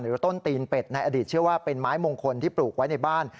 ต้นตีนเป็ดในอดีตเชื่อว่าเป็นไม้มงคลที่ปลูกไว้ในบ้าน